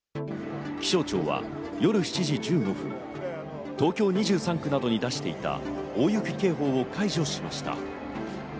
気象庁は夜７時１５分、東京２３区などに出していた大雪警報を解除しました。